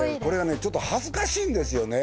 ちょっと恥ずかしいんですよね